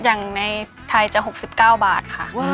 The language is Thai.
อย่างในไทยจะ๖๙บาทค่ะ